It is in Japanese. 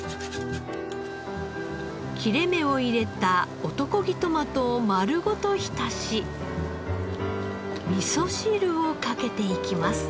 切れ目を入れた男気トマトを丸ごと浸し味噌汁をかけていきます。